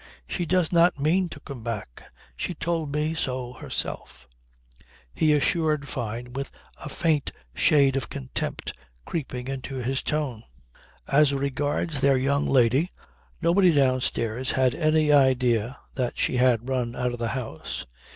She does not mean to come back. She told me so herself" he assured Fyne with a faint shade of contempt creeping into his tone. As regards their young lady nobody downstairs had any idea that she had run out of the house.